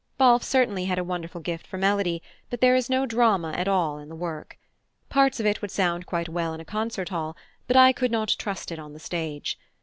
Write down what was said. Balfe certainly had a wonderful gift for melody, but there is no drama at all in the work. Parts of it would sound quite well in a concert hall, but I could not trust it on the stage.